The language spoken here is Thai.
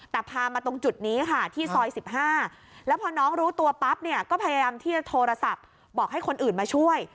แต่พามาตรงจุดนี้ค่ะที่ซอย๑๕แล้วพอน้องรู้ตัวปั๊บเนี่ยก็พยายามที่จะโทรศัพท์บอกให้คนอื่นมาช่วย